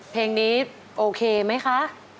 เพลงนี้โอเคไหมคะ